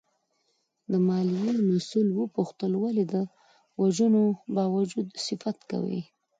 د مالیې مسوول وپوښتل ولې د وژنو باوجود صفت کوې؟